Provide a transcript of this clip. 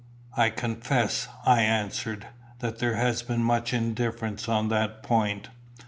"I confess," I answered, "that there has been much indifference on that point.